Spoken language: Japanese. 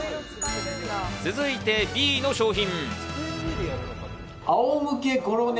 続いてＢの商品。